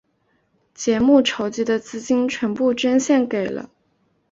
节目筹集的资金全部捐献给了。